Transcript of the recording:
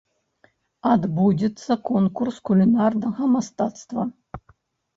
Адбудзецца конкурс кулінарнага мастацтва.